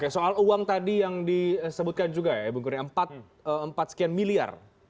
soal uang tadi yang disebutkan juga ya bung kurnia empat sekian miliar